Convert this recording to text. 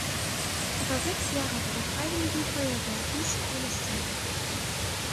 Er war sechs Jahre bei der Freiwilligen Feuerwehr East Williston.